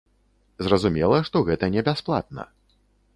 Зразумела, што гэта не бясплатна.